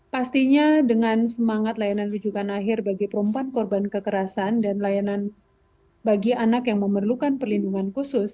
pastinya dengan semangat layanan rujukan akhir bagi perempuan korban kekerasan dan layanan bagi anak yang memerlukan perlindungan khusus